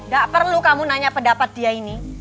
gak perlu kamu nanya pendapat dia ini